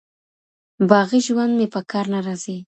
باغي ژوند مي په کار نه راځي